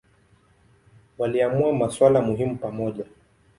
Waliamua maswali muhimu pamoja.